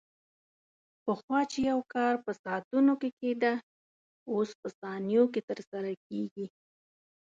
پخوا چې یو کار په ساعتونو کې کېده، اوس په ثانیو کې ترسره کېږي.